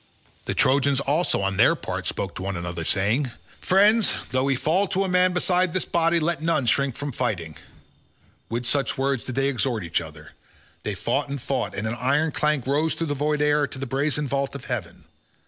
The Trojans also on their part spoke to one another saying, "Friends, though we fall to a man beside this body, let none shrink from fighting." With such words did they exhort each other. They fought and fought, and an iron clank rose through the void air to the brazen vault of heaven.